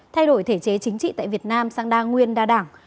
thay đổi thể chế chính trị tại việt nam sang đa nguyên đa đảng